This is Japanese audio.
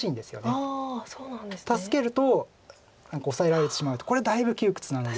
助けると何かオサえられてしまうとこれだいぶ窮屈なんで。